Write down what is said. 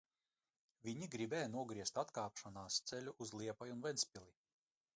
Viņi gribēja nogriezt atkāpšanās ceļu uz Liepāju un Ventspili.